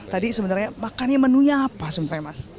tadi sebenarnya makannya menunya apa sebenarnya mas